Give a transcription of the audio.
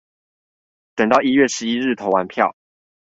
等到一月十一日投完票